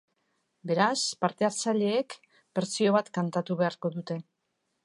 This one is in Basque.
Beraz, parte-hartzaileek bertsio bat kantatu beharko dute.